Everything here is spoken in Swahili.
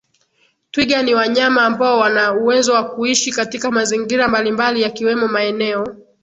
Twiga ni wanyama ambao wana uwezo wa kuishi katika mazingira mbali mbali yakiwemo maeneo